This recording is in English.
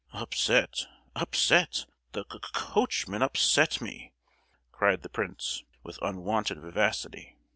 "Upset, upset; the c—coachman upset me!" cried the prince, with unwonted vivacity.